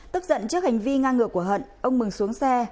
tức giận trước hành vi ngang ngựa của hận ông mừng xuống xe